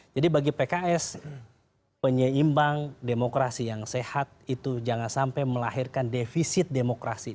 jadi bagi pks penyeimbang demokrasi yang sehat itu jangan sampai melahirkan defisit demokrasi